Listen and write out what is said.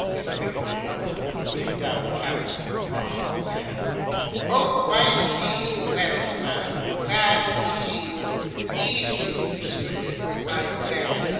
said Winkle the elder, putting down the candlestick and proffering his hand. 'Hope I see you well, sir. Glad to see you. Be seated, Mr. Pickwick, I beg, Sir.